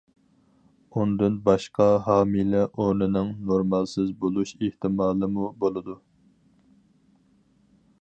ئۇندىن باشقا ھامىلە ئورنىنىڭ نورمالسىز بولۇش ئېھتىمالىمۇ بولىدۇ.